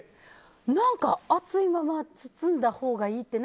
何か熱いまま包んだほうがいいって。